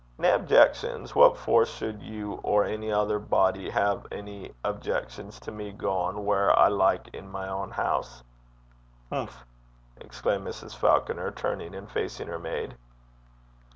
'Nae objections! What for suld you or ony ither body hae ony objections to me gaein' whaur I like i' my ain hoose? Umph!' exclaimed Mrs. Falconer, turning and facing her maid.